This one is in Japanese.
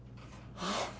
あっ！